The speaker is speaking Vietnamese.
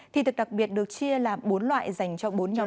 thị thực đặc biệt được chia làm bốn loại dành cho bốn nhóm